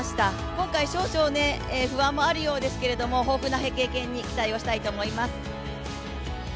今回は少々不安もあるようですけど豊富な経験に期待をしたいと思います。